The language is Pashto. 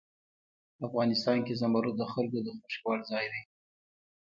افغانستان کې زمرد د خلکو د خوښې وړ ځای دی.